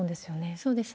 そうですね。